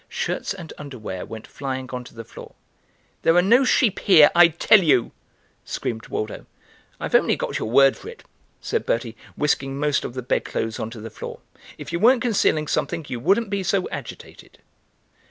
Shirts and underwear went flying on to the floor. "There are no sheep here, I tell you," screamed Waldo. "I've only got your word for it," said Bertie, whisking most of the bedclothes on to the floor; "if you weren't concealing something you wouldn't be so agitated."